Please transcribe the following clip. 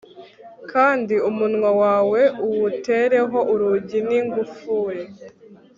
kandi umunwa wawe uwutereho urugi n'ingufuri